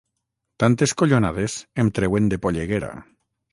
Tantes collonades em treuen de polleguera.